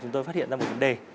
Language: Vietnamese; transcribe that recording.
chúng tôi phát hiện ra một vấn đề